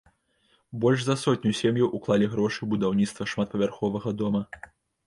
Больш за сотню сем'яў уклалі грошы ў будаўніцтва шматпавярховага дома.